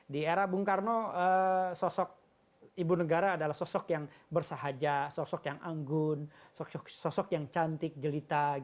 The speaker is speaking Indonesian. di era bung karno sosok ibu negara adalah sosok yang bersahaja sosok yang anggun sosok yang cantik jelita